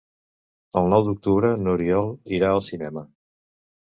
El nou d'octubre n'Oriol irà al cinema.